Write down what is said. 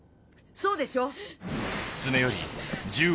そうでしょ？